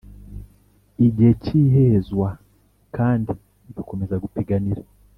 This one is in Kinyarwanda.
igihe cyihezwa kandi igakomeza gupiganira